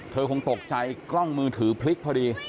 คงตกใจกล้องมือถือพลิกพอดี